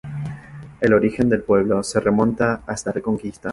El origen del pueblo se remonta hasta la Reconquista.